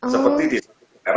seperti di tni